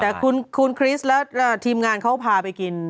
แต่คุณคริสต์และทีมงานเขาพาไปกิน